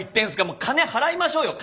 もう金払いましょうよ！